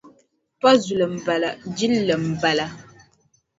Pa zuli m-bala jilli m-bala.